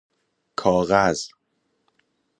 کاغذ